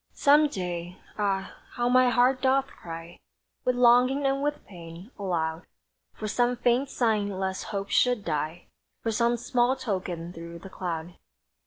Some day! ah, how my heart doth cry With longing and with pain, aloud, For some faint sign lest hope should die; For some small token through the cloud!